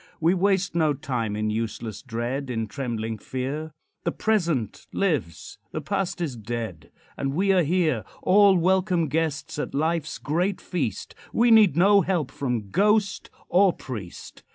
We waste no time in useless dread, In trembling fear; The present lives, the past is dead, And we are here, All welcome guests at life's great feast We need no help from ghost or priest.